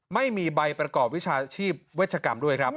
ไม่มีใบประกอบวิชาชีพเวชกรรมด้วยครับ